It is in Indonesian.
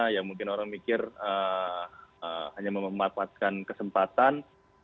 ya mungkin orang mikir hanya memanfaatkan kesempatan